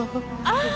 ああ！